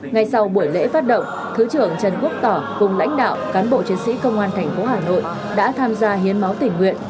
ngay sau buổi lễ phát động thứ trưởng trần quốc tỏ cùng lãnh đạo cán bộ chiến sĩ công an thành phố hà nội đã tham gia hiến máu tỉnh nguyện